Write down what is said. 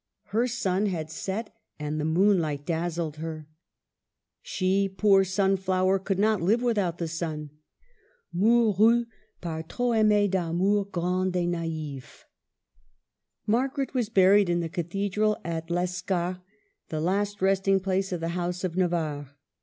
Her sun had set, and the moonlight dazzled her. She, poor sunflower, could not live without the sun. '' Mourut par trop aymer d'amour grande et nai'fve." Margaret was buried in the cathedral at Les car, the last resting place of the House of Navarre.